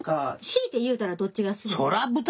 強いて言うたらどっちが好き？